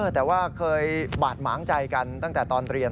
แต่ว่าเคยบาดหมางใจกันตั้งแต่ตอนเรียน